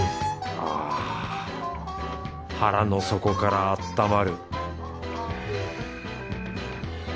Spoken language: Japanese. あぁ腹の底からあったまる